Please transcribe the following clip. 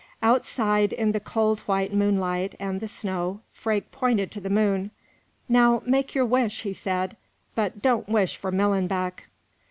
Outside, in the cold, white moonlight and the snow, Freke pointed to the moon. "Now make your wish," he said; "but don't wish for Millenbeck."